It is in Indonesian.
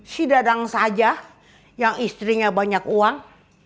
si dadang saja yang istrinya banyak uang